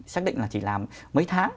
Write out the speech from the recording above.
xác định là chỉ làm mấy tháng